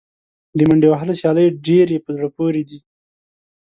د منډې وهلو سیالۍ ډېرې په زړه پورې دي.